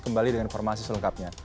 kembali dengan informasi selengkapnya